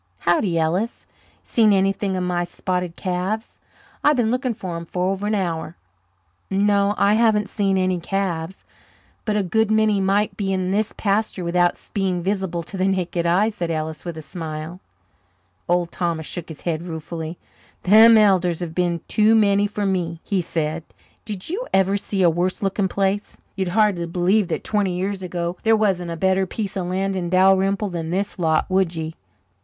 "Howdy, Ellis. Seen anything of my spotted calves? I've been looking for 'em for over an hour." "No, I haven't seen any calves but a good many might be in this pasture without being visible to the naked eye," said Ellis, with a smile. Old Thomas shook his head ruefully. "Them elders have been too many for me," he said. "Did you ever see a worse looking place? You'd hardly believe that twenty years ago there wasn't a better piece of land in Dalrymple than this lot, would ye?